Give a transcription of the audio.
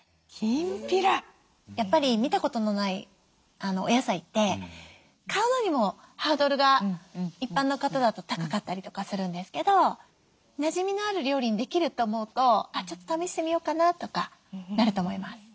やっぱり見たことのないお野菜って買うのにもハードルが一般の方だと高かったりとかするんですけどなじみのある料理にできると思うとちょっと試してみようかなとかなると思います。